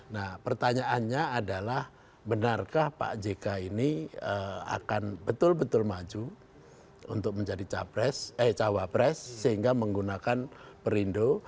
nah pertanyaannya adalah benarkah pak jk ini akan betul betul maju untuk menjadi capres eh cawapres sehingga menggunakan perindo